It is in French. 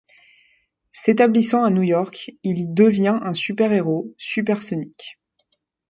S'établissant à New York, il y devient un super-héros, Supersonic.